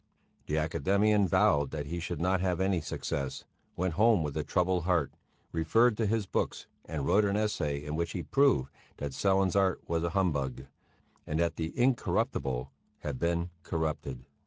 The academician vowed that he should not have any success, went home with a troubled heart, referred to his books and wrote an essay in which he proved that Sellén's art was humbug, and that the Incorruptible had been corrupted.